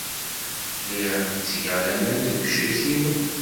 Lliɣ ttgeɣ laman deg wecrik-inu.